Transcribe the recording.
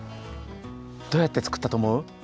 どうやってつくったとおもう？